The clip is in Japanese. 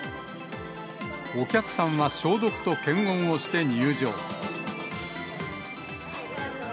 お客さんは消毒と検温をして入場。